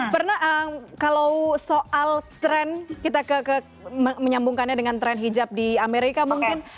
pernah kalau soal tren kita menyambungkannya dengan tren hijab di amerika mungkin